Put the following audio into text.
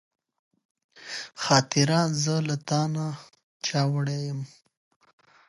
خاطره زه له تا نه چا وړې يم